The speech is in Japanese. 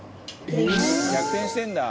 「逆転してるんだ」